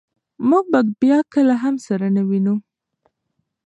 موږ به بیا کله هم سره نه وینو.